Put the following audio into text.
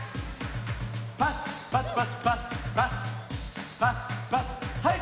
パチパチパチパチパチパチパチはい！